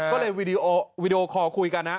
ก็เลยวีดีโอคอลคุยกันนะ